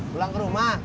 pulang ke rumah